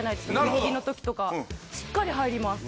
腹筋の時とかしっかり入ります